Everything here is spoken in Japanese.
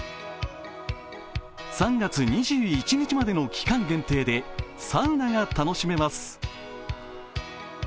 ３月２１日までの期間限定でサウナが楽しめます。